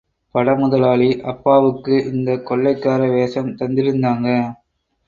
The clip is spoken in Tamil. படமுதலாளி, அப்பாவுக்கு இந்தக் கொள்ளைக்கார வேஷம் தந்திருந்தாங்க.